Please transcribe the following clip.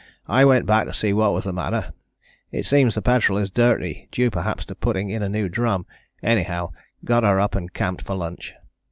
I went back to see what was the matter, it seems the petrol is dirty due perhaps to putting in a new drum, anyhow got her up and camped for lunch.